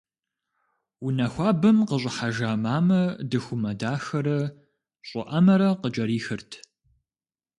Унэ хуабэм къыщӏыхьэжа мамэ дыхумэ дахэрэ щӏыӏэмэрэ къыкӏэрихырт.